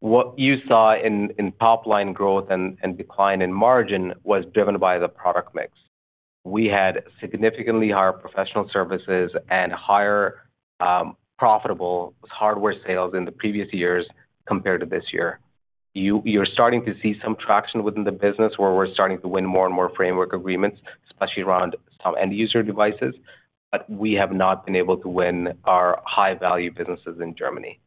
What you saw in top line growth and decline in margin was driven by the product mix. We had significantly higher professional services and higher profitable hardware sales in the previous years compared to this year. You're starting to see some traction within the business, where we're starting to win more and more framework agreements, especially around some end user devices. But we have not been able to win our high-value businesses in Germany.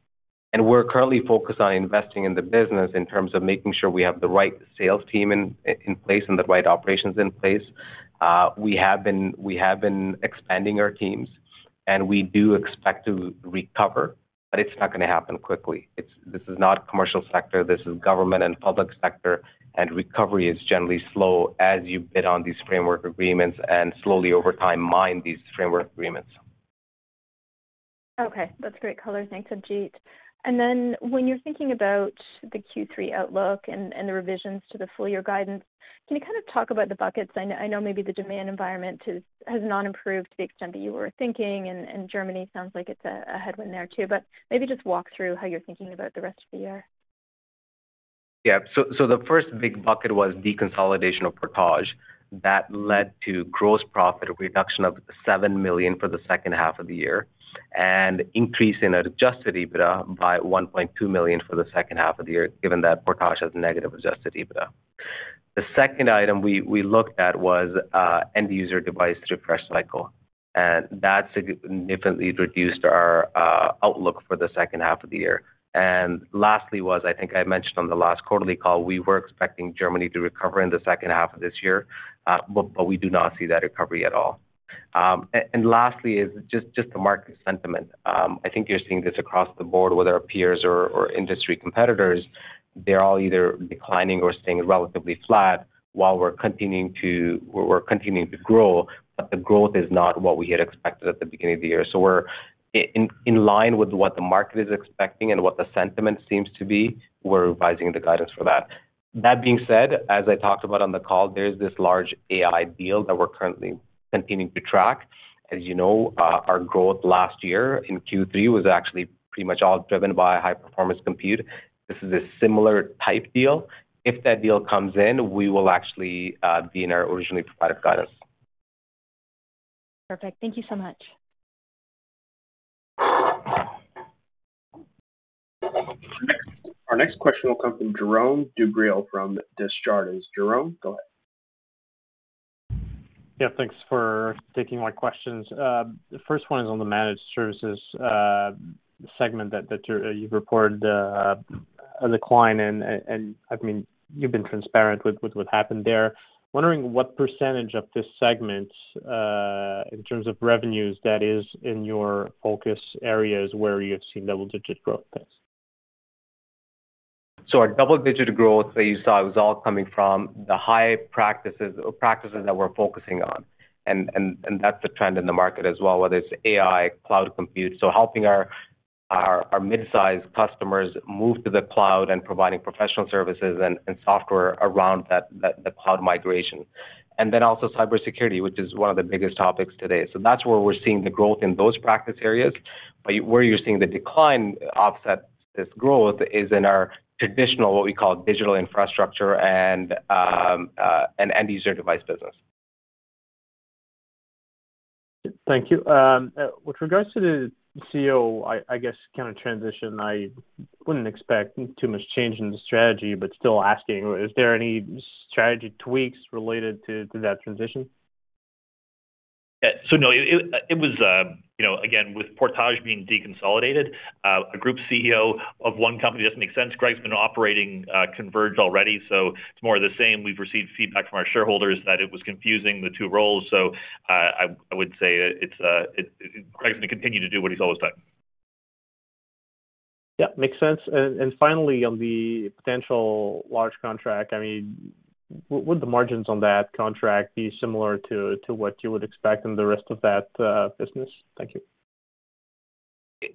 We're currently focused on investing in the business in terms of making sure we have the right sales team in place and the right operations in place. We have been expanding our teams, and we do expect to recover, but it's not going to happen quickly. It's. This is not commercial sector, this is government and public sector, and recovery is generally slow as you bid on these framework agreements and slowly, over time, mine these framework agreements. Okay, that's great color. Thanks, Ajit. And then when you're thinking about the Q3 outlook and, and the revisions to the full year guidance, can you kind of talk about the buckets? I know, I know maybe the demand environment is, has not improved to the extent that you were thinking, and, and Germany sounds like it's a, a headwind there, too. But maybe just walk through how you're thinking about the rest of the year. Yeah. So the first big bucket was deconsolidation of Portage. That led to gross profit reduction of 7 million for the second half of the year, and increase in adjusted EBITDA by 1.2 million for the second half of the year, given that Portage has negative adjusted EBITDA. The second item we looked at was end-user device refresh cycle, and that significantly reduced our outlook for the second half of the year. Lastly, I think I mentioned on the last quarterly call, we were expecting Germany to recover in the second half of this year, but we do not see that recovery at all. And lastly is just the market sentiment. I think you're seeing this across the board with our peers or industry competitors. They're all either declining or staying relatively flat while we're continuing to grow, but the growth is not what we had expected at the beginning of the year. So we're in line with what the market is expecting and what the sentiment seems to be. We're revising the guidance for that. That being said, as I talked about on the call, there's this large AI deal that we're currently continuing to track. As you know, our growth last year in Q3 was actually pretty much all driven by high performance compute. This is a similar type deal. If that deal comes in, we will actually be in our originally provided guidance. Perfect. Thank you so much. Our next question will come from Jerome Dubreul from Desjardins. Jerome, go ahead. Yeah, thanks for taking my questions. The first one is on the managed services segment that you've reported a decline, and I mean, you've been transparent with what happened there. Wondering what percentage of this segment, in terms of revenues, that is in your focus areas where you've seen double-digit growth rates? So our double-digit growth that you saw was all coming from the high practices, or practices that we're focusing on. And that's the trend in the market as well, whether it's AI, cloud compute. So helping our mid-sized customers move to the cloud and providing professional services and software around that, the cloud migration. And then also cybersecurity, which is one of the biggest topics today. So that's where we're seeing the growth in those practice areas. But where you're seeing the decline offset this growth is in our traditional, what we call digital infrastructure and end-user device business. Thank you. With regards to the CEO, I, I guess kind of transition, I wouldn't expect too much change in the strategy, but still asking, is there any strategy tweaks related to, to that transition? Yeah. So no, it, it was, you know, again, with Portage being deconsolidated, a group CEO of one company doesn't make sense. Greg's been operating, Converge already, so it's more of the same. We've received feedback from our shareholders that it was confusing, the two roles, so, I, I would say it's, it—Greg's going to continue to do what he's always done. Yeah, makes sense. And finally, on the potential large contract, I mean, would the margins on that contract be similar to what you would expect in the rest of that business? Thank you.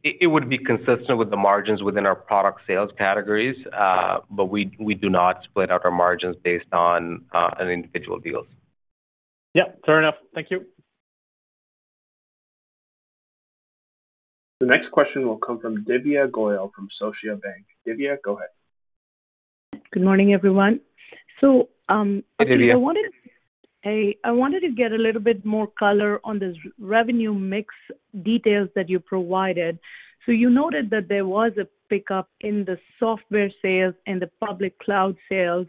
It would be consistent with the margins within our product sales categories, but we, we do not split out our margins based on an individual deals. Yeah, fair enough. Thank you.... The next question will come from Divya Goyal from Scotiabank. Divya, go ahead. Good morning, everyone. Hey, Divya. I wanted to get a little bit more color on this revenue mix details that you provided. So you noted that there was a pickup in the software sales and the public cloud sales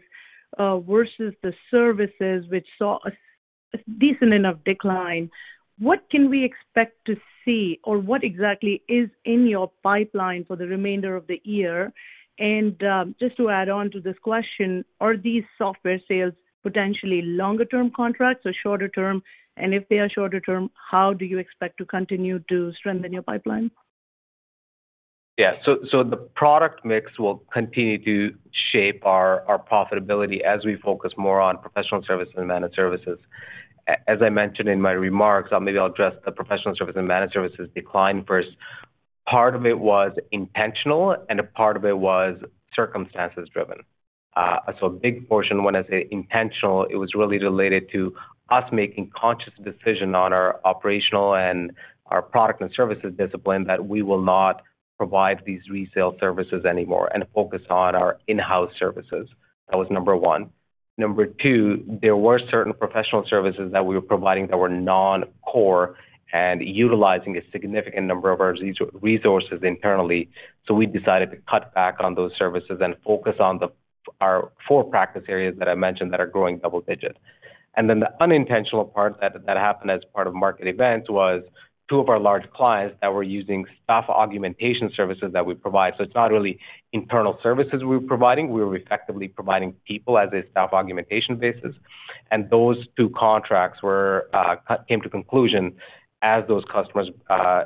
versus the services, which saw a decent enough decline. What can we expect to see, or what exactly is in your pipeline for the remainder of the year? And just to add on to this question, are these software sales potentially longer term contracts or shorter term? And if they are shorter term, how do you expect to continue to strengthen your pipeline? Yeah. So, the product mix will continue to shape our profitability as we focus more on professional services and managed services. As I mentioned in my remarks, maybe I'll address the professional service and managed services decline first. Part of it was intentional, and a part of it was circumstances driven. So a big portion, when I say intentional, it was really related to us making conscious decision on our operational and our product and services discipline, that we will not provide these resale services anymore, and focus on our in-house services. That was number one. Number two, there were certain professional services that we were providing that were non-core and utilizing a significant number of our resources internally. So we decided to cut back on those services and focus on our four practice areas that I mentioned that are growing double digit. Then the unintentional part that that happened as part of market events was two of our large clients that were using staff augmentation services that we provide. So it's not really internal services we were providing, we were effectively providing people as a staff augmentation basis. And those two contracts were came to conclusion as those customers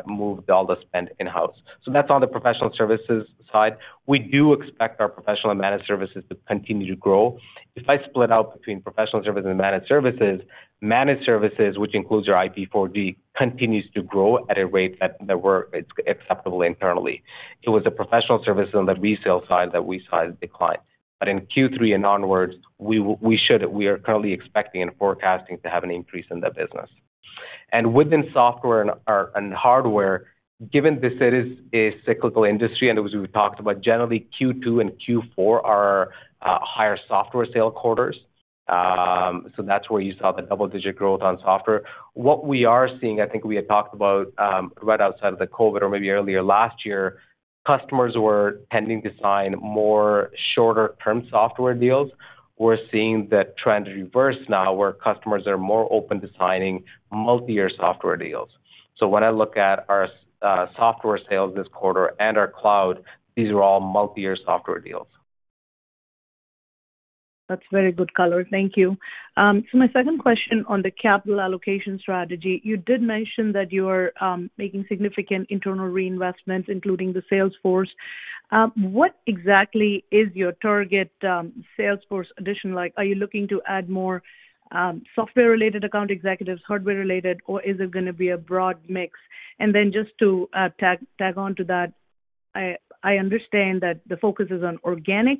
moved all the spend in-house. So that's on the professional services side. We do expect our professional and managed services to continue to grow. If I split out between professional services and managed services, managed services, which includes your IP4D, continues to grow at a rate that that we're acceptable internally. It was the professional service on the resale side that we saw the decline. But in Q3 and onwards, we should, we are currently expecting and forecasting to have an increase in that business. Within software and hardware, given this it is a cyclical industry and as we've talked about, generally Q2 and Q4 are higher software sale quarters. That's where you saw the double-digit growth on software. What we are seeing, I think we had talked about, right outside of the COVID or maybe earlier last year, customers were tending to sign more shorter term software deals. We're seeing that trend reverse now, where customers are more open to signing multi-year software deals. When I look at our software sales this quarter and our cloud, these are all multi-year software deals. That's very good color. Thank you. So my second question on the capital allocation strategy, you did mention that you are making significant internal reinvestments, including the sales force. What exactly is your target sales force addition like? Are you looking to add more software-related account executives, hardware-related, or is it gonna be a broad mix? And then just to tag on to that, I understand that the focus is on organic,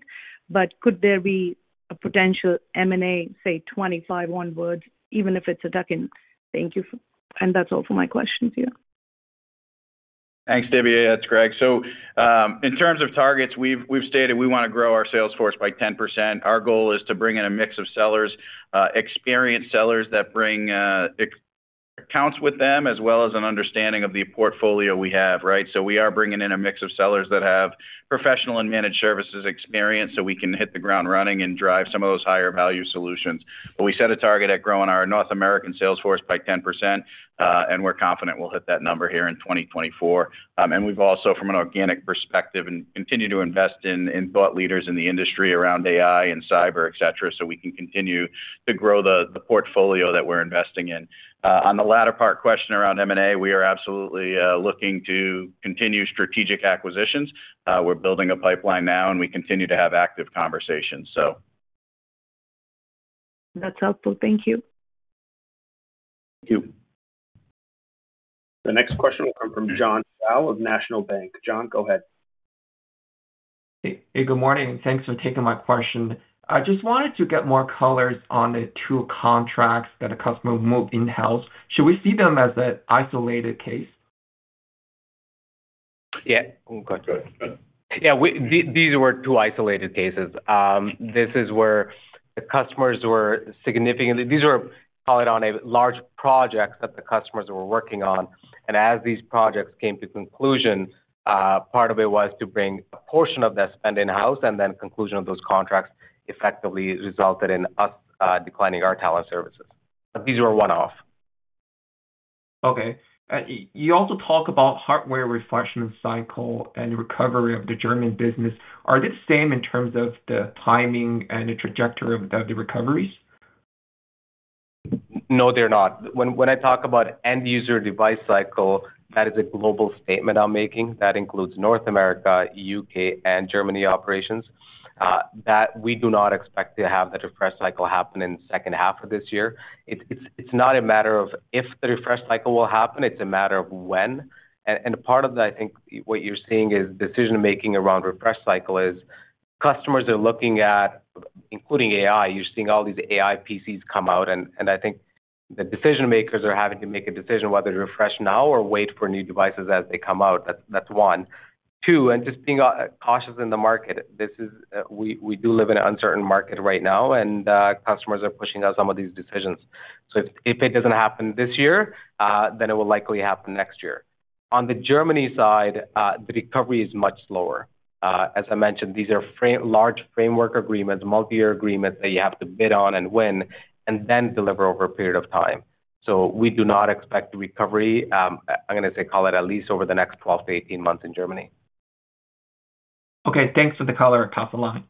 but could there be a potential M&A, say, 25 otward, even if it's a tuck-in? Thank you. And that's all for my questions here. Thanks, Divya. It's Greg. So, in terms of targets, we've stated we wanna grow our sales force by 10%. Our goal is to bring in a mix of sellers, experienced sellers that bring accounts with them, as well as an understanding of the portfolio we have, right? So we are bringing in a mix of sellers that have professional and managed services experience, so we can hit the ground running and drive some of those higher value solutions. But we set a target at growing our North American sales force by 10%, and we're confident we'll hit that number here in 2024. And we've also, from an organic perspective, continue to invest in thought leaders in the industry around AI and cyber, et cetera, so we can continue to grow the portfolio that we're investing in. On the latter part question around M&A, we are absolutely looking to continue strategic acquisitions. We're building a pipeline now, and we continue to have active conversations, so... That's helpful. Thank you. Thank you. The next question will come from John Shao of National Bank. John, go ahead. Hey, good morning, and thanks for taking my question. I just wanted to get more colors on the 2 contracts that a customer moved in-house. Should we see them as an isolated case? Yeah. Yeah, these were two isolated cases. This is where the customers were significantly, these were, call it, on large projects that the customers were working on, and as these projects came to conclusion, part of it was to bring a portion of their spend in-house, and then conclusion of those contracts effectively resulted in us declining our talent services. But these were one-off. Okay. You also talk about hardware refreshing cycle and recovery of the German business. Are they same in terms of the timing and the trajectory of the recoveries? No, they're not. When I talk about end-user device cycle, that is a global statement I'm making. That includes North America, UK, and Germany operations. That we do not expect to have the refresh cycle happen in the second half of this year. It's not a matter of if the refresh cycle will happen, it's a matter of when. And part of that, I think, what you're seeing is decision-making around refresh cycle is customers are looking at-... including AI, you're seeing all these AI PCs come out, and I think the decision makers are having to make a decision whether to refresh now or wait for new devices as they come out. That's one. Two, and just being cautious in the market, this is, we, we do live in an uncertain market right now, and, customers are pushing out some of these decisions. So if, if it doesn't happen this year, then it will likely happen next year. On the Germany side, the recovery is much slower. As I mentioned, these are large framework agreements, multiyear agreements that you have to bid on and win and then deliver over a period of time. So we do not expect the recovery, I'm gonna say, call it at least over the next 12-18 months in Germany. Okay, thanks for the color, I'll pass the line.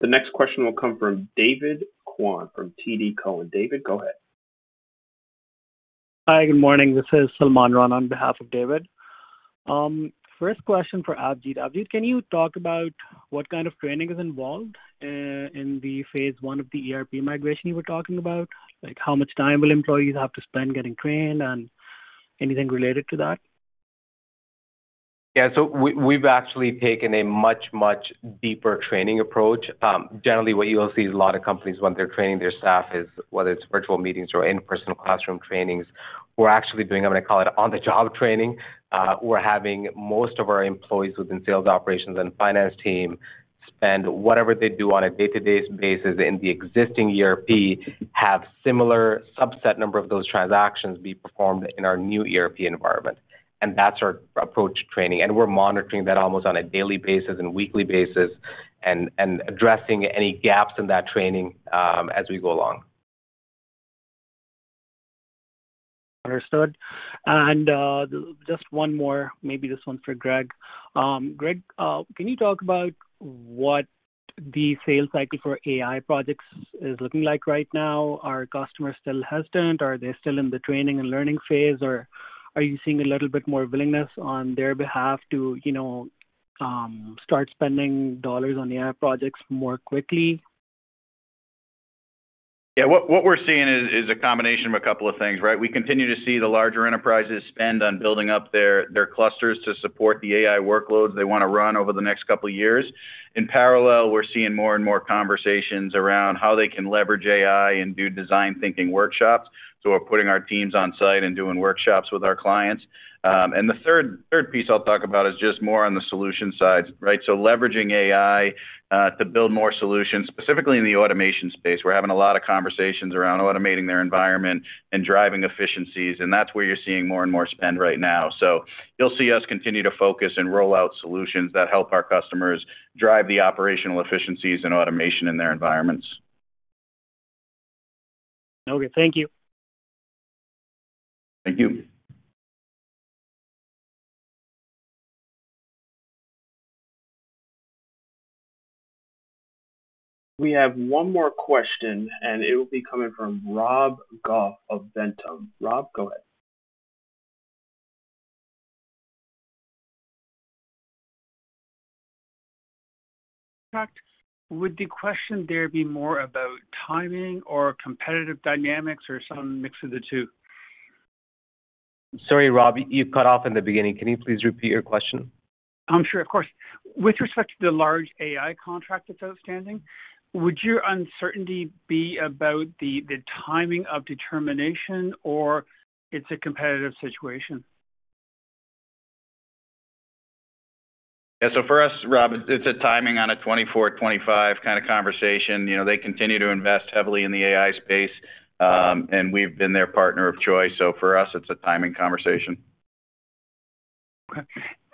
The next question will come from David Kwan from TD Cowen. David, go ahead. Hi, good morning. This is Salman Rani on behalf of David. First question for Avjit. Avjit, can you talk about what kind of training is involved, in the phase one of the ERP migration you were talking about? Like, how much time will employees have to spend getting trained and anything related to that? Yeah, so we've actually taken a much, much deeper training approach. Generally, what you will see is a lot of companies, when they're training their staff, is whether it's virtual meetings or in-person classroom trainings. We're actually doing, I'm gonna call it, on-the-job training. We're having most of our employees within sales, operations, and finance team spend whatever they do on a day-to-day basis in the existing ERP, have similar subset number of those transactions be performed in our new ERP environment, and that's our approach to training. We're monitoring that almost on a daily basis and weekly basis, and addressing any gaps in that training, as we go along. Understood. And, just one more, maybe this one's for Greg. Greg, can you talk about what the sales cycle for AI projects is looking like right now? Are customers still hesitant, or are they still in the training and learning phase, or are you seeing a little bit more willingness on their behalf to, you know, start spending dollars on AI projects more quickly? Yeah. What we're seeing is a combination of a couple of things, right? We continue to see the larger enterprises spend on building up their clusters to support the AI workloads they wanna run over the next couple of years. In parallel, we're seeing more and more conversations around how they can leverage AI and do design thinking workshops. So we're putting our teams on site and doing workshops with our clients. And the third piece I'll talk about is just more on the solution side, right? So leveraging AI to build more solutions, specifically in the automation space. We're having a lot of conversations around automating their environment and driving efficiencies, and that's where you're seeing more and more spend right now. You'll see us continue to focus and roll out solutions that help our customers drive the operational efficiencies and automation in their environments. Okay, thank you. Thank you. We have one more question, and it will be coming from Rob Goff of Vertum. Rob, go ahead. Would the question there be more about timing or competitive dynamics or some mix of the two? Sorry, Rob, you cut off in the beginning. Can you please repeat your question? I'm sure. Of course. With respect to the large AI contract that's outstanding, would your uncertainty be about the timing of determination or it's a competitive situation? Yeah. So for us, Rob, it's a timing on a 2024, 2025 kind of conversation. You know, they continue to invest heavily in the AI space, and we've been their partner of choice. So for us, it's a timing conversation. Okay.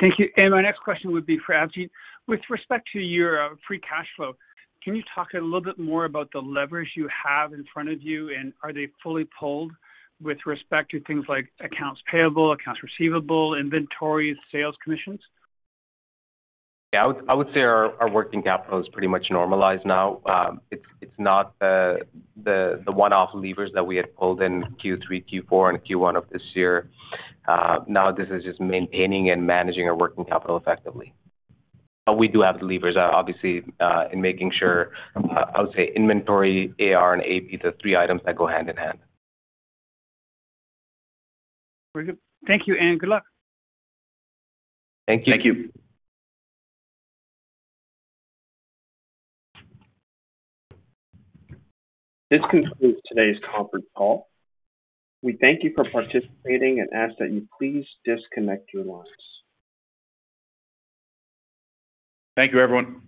Thank you. And my next question would be for Avjeet. With respect to your free cash flow, can you talk a little bit more about the leverage you have in front of you, and are they fully pulled with respect to things like accounts payable, accounts receivable, inventory, sales commissions? Yeah, I would say our working capital is pretty much normalized now. It's not the one-off levers that we had pulled in Q3, Q4, and Q1 of this year. Now this is just maintaining and managing our working capital effectively. But we do have the levers, obviously, in making sure, I would say, inventory, AR, and AP, the three items that go hand in hand. Very good. Thank you, and good luck. Thank you. Thank you. This concludes today's conference call. We thank you for participating and ask that you please disconnect your lines. Thank you, everyone.